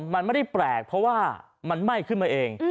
มันไม่ได้แปลกเพราะว่ามันไหม้ขึ้นมาเอง